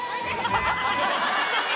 ハハハハ！